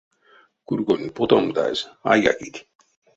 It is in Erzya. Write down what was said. Кургонь потомдазь а якить.